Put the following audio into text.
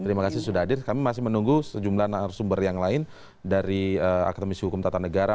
terima kasih sudah hadir kami masih menunggu sejumlah narasumber yang lain dari akademisi hukum tata negara